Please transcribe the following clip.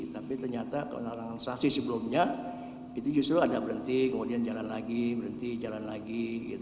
tapi ternyata kalau larangan saksi sebelumnya itu justru ada berhenti kemudian jalan lagi berhenti jalan lagi